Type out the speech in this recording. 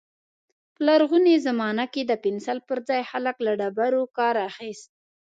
په لرغوني زمانه کې د پنسل پر ځای خلک له ډبرو کار اخيست.